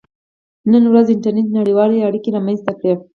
• نن ورځ انټرنېټ نړیوالې اړیکې رامنځته کړې.